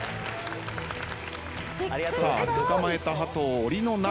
さあ捕まえたハトをおりの中へ。